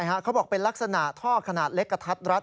เขาบอกเป็นลักษณะท่อขนาดเล็กกระทัดรัด